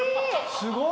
すごい！